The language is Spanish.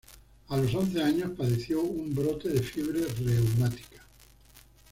A los once años padeció un brote de fiebre reumática.